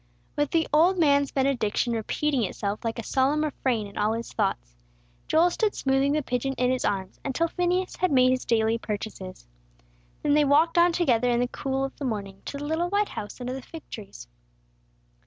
With the old man's benediction repeating itself like a solemn refrain in all his thoughts, Joel stood smoothing the pigeon in his arms, until Phineas had made his daily purchases. Then they walked on together in the cool of the morning, to the little white house under the fig trees.